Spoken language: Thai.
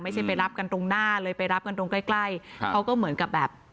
ไม่ใช่ไปรับกันตรงหน้าเลยไปรับกันตรงใกล้เขาก็เหมือนกับแบบ